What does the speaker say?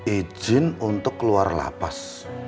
izin untuk keluar lapas